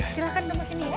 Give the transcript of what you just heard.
silahkan nunggu sini ya